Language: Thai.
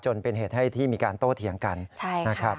เป็นเหตุให้ที่มีการโต้เถียงกันนะครับ